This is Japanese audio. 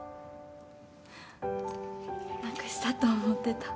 なくしたと思ってた。